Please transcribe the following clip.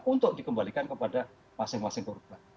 untuk dikembalikan kepada masing masing korban